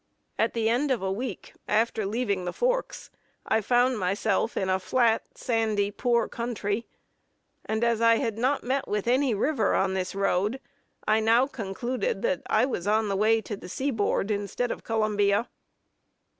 At the end of a week, after leaving the forks, I found myself in a flat, sandy, poor country; and as I had not met with any river on this road, I now concluded that I was on the way to the sea board instead of Columbia.